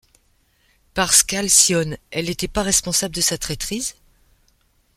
Parce qu’Alcyone, elle était pas responsable de sa traîtrise ?